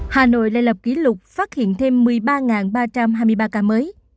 hà nội lại lập kỷ lục phát hiện thêm một mươi ba ba trăm hai mươi ba ca mới